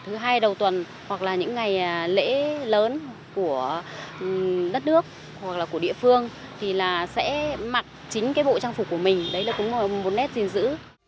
thứ hai đầu tuần hoặc là những ngày lễ lớn của đất nước hoặc là của địa phương thì là sẽ mặc chính cái bộ trang phục của mình đấy là cũng một nét gìn giữ